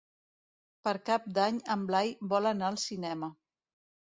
Per Cap d'Any en Blai vol anar al cinema.